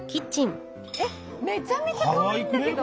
えっめちゃめちゃかわいいんだけど。